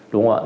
đúng không ạ